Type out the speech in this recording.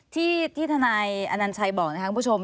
ที่ทนายอนัญชัยบอกนะครับคุณผู้ชม